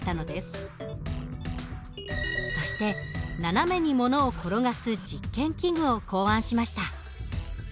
そして斜めに物を転がす実験器具を考案しました。